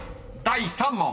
第３問］